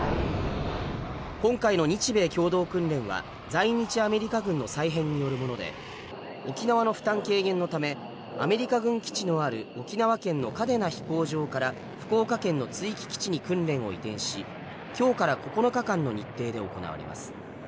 今回の日米共同訓練は在日アメリカ軍の再編によるもので沖縄の負担軽減のためアメリカ軍基地のある沖縄県の嘉手納飛行場から福岡県の築城基地に訓練を移転し今日から９日間の日程で行われます。